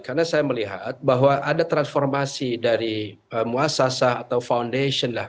karena saya melihat bahwa ada transformasi dari muasasa atau foundation lah